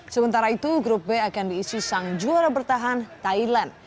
sementara itu grup b akan diisi sang juara bertahan thailand